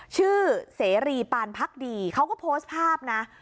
เสรีปานพักดีเขาก็โพสต์ภาพนะ